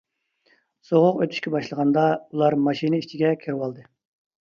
سوغۇق ئۆتۈشكە باشلىغاندا ئۇلار ماشىنا ئىچىگە كىرىۋالدى.